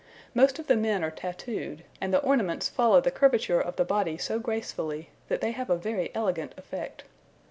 Most of the men are tattooed, and the ornaments follow the curvature of the body so gracefully, that they have a very elegant effect.